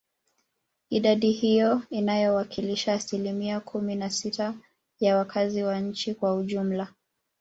Idadi hiyo inayowakilisha asilimia kumi na sita ya wakazi wa nchi kwa ujumla